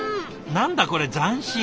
何だこれ斬新。